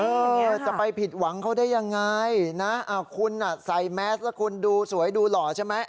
เออจะไปผิดหวังเขาได้ยังไงนะคุณใส่แมสแล้วคุณดูสวยดูหล่อใช่ไหม